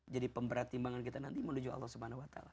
jadi pemberat imbangan kita nanti menuju allah swt